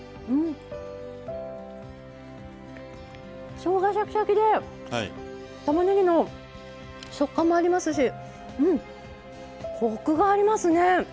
しょうがシャキシャキでたまねぎの食感もありますしコクがありますね。